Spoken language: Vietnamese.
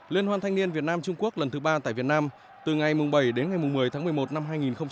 liên hoan thanh niên việt nam trung quốc lần thứ ba tại việt nam từ ngày bảy đến ngày một mươi tháng một mươi một năm hai nghìn một mươi chín